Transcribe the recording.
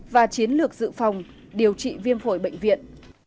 và chiến lược dự phòng điều trị viêm phổi bệnh viện